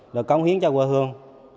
để cống hiến cho quê hương